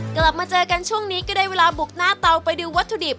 กลับมาเจอกันช่วงนี้ก็ได้เวลาบุกหน้าเตาไปดูวัตถุดิบ